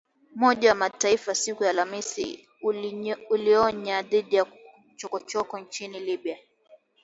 Umoja wa Mataifa siku ya Alhamisi ulionya dhidi ya chokochoko nchini Libya